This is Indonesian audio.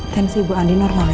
tem si bu andi normal ya